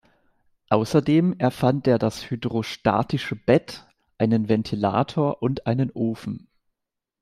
Außerdem erfand er das hydrostatische Bett, einen Ventilator und einen Ofen.